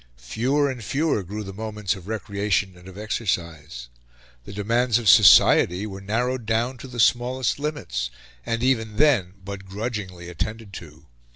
Fewer and fewer grew the moments of recreation and of exercise. The demands of society were narrowed down to the smallest limits, and even then but grudgingly attended to.